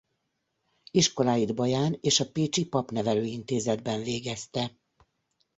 Iskoláit Baján és a Pécsi Papnevelő Intézetben végezte.